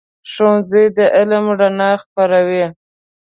ښوونځی د علم رڼا خپروي.